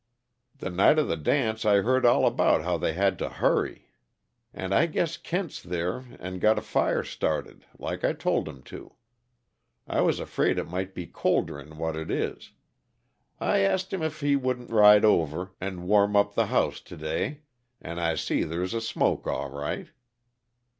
The night of the dance I heard all about how they had to hurry. And I guess Kent's there an' got a fire started, like I told him to. I was afraid it might be colder'n what it is. I asked him if he wouldn't ride over an' warm up the house t'day and I see there's a smoke, all right."